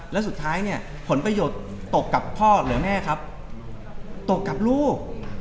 แล้วสุดท้ายเนี่ยผลประโยชน์ตกกับพ่อหรือแม่ครับตกกับลูก